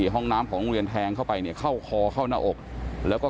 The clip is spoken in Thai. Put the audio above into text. ห้องน้ำของโรงเรียนแทงเข้าไปเนี่ยเข้าคอเข้าหน้าอกแล้วก็